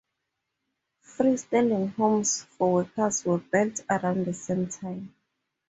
Freestanding homes for workers were built around the same time.